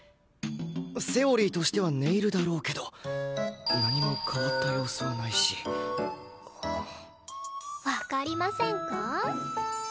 セオリーとしてはネイルだろうけど何も変わった様子はないしわかりませんか？